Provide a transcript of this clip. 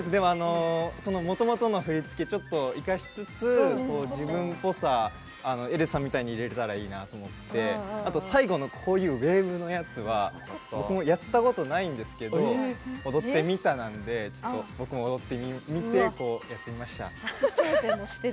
もともとの振り付けちょっと生かしつつ自分っぽさをえるさんみたいに入れられたらいいなって思って最後のウェーブのやつは僕もやったことないんですけど踊ってみたなので僕も踊ってみてやってみました。